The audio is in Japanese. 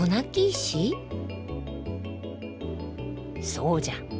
そうじゃ。